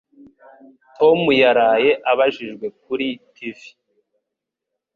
Tom yaraye abajijwe kuri TV.